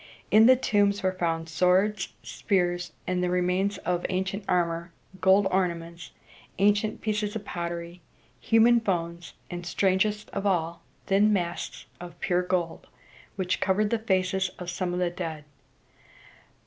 In the tombs were found swords, spears, and remains of ancient armor, gold ornaments, ancient pieces of pottery, human bones, and, strangest of all, thin masks of pure gold, which covered the faces of some of the dead.